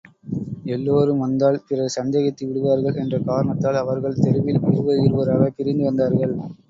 எல்லோரும் வந்தால் பிறர் சந்தேகித்து விடுவார்கள் என்ற காரணத்தால் அவர்கள் தெருவில் இருவர் இருவராகப் பிரிந்து வந்தார்கள்.